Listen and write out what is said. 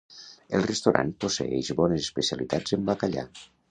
El restaurant posseeix bones especialitats en bacallà.